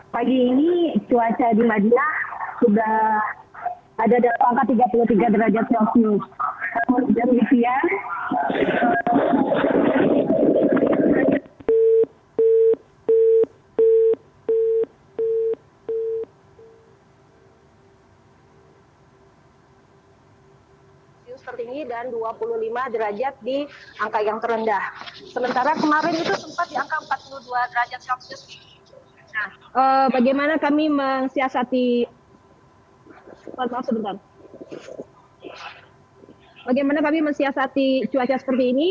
pagi ini cuaca di madinat sudah ada dalam pangkat tiga puluh tiga derajat celcius